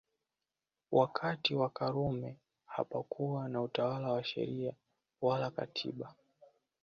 Wakati wa Karume hapakuwa na utawala wa Sheria wala Katiba